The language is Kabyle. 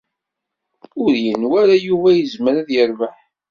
Ur yenwa ara Yuba yezmer ad yerbeḥ.